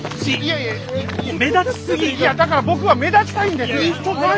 いやだから僕は目立ちたいんです。